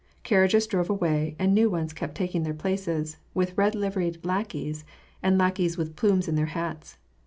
Carriages drove away, and new ones kept taking their places, with red liveried lackeys, and lackeys with plumes in their hats.